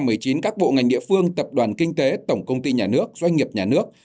năm hai nghìn một mươi chín các bộ ngành địa phương tập đoàn kinh tế tổng công ty nhà nước doanh nghiệp nhà nước